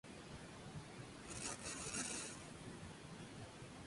Él y su colega cruzaron a Sicilia, y tomó la importante ciudad de Palermo.